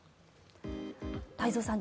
太蔵さん